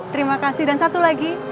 terima kasih dan satu lagi